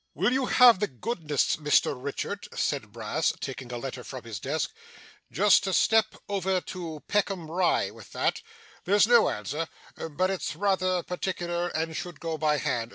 'Will you have the goodness, Mr Richard,' said Brass, taking a letter from his desk, 'just to step over to Peckham Rye with that? There's no answer, but it's rather particular and should go by hand.